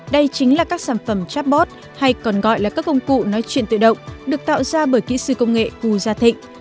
đây chính là các sản phẩm chatbot hay còn gọi là các công cụ nói chuyện tự động được tạo ra bởi kỹ sư công nghệ hu gia thịnh